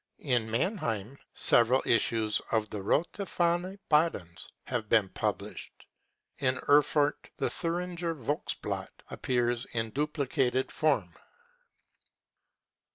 In Mannheim several issues of the Rote Fahne Badens have been published. In Erfurt the Thiiringer Volksblatt appears in duplicated form.